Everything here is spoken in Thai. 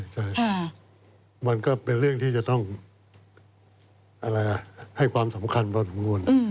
ใช่มันก็เป็นเรื่องที่จะต้องให้ความสำคัญพอสมควร